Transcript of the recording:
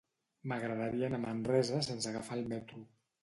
M'agradaria anar a Manresa sense agafar el metro.